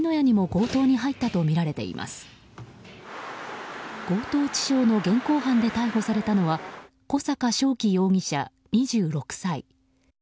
強盗致傷の現行犯で逮捕されたのは小阪渉生容疑者、２６歳。